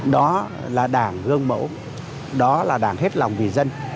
đó là đảng gương mẫu đó là đảng hết lòng vì dân